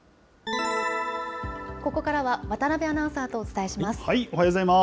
ここからは渡辺アナウンサーとお伝えします。